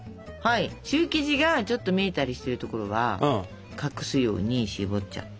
シュー生地がちょっと見えたりしてるところは隠すようにしぼっちゃって。